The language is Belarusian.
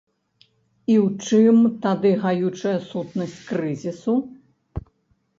І ў чым тады гаючая сутнасць крызісу?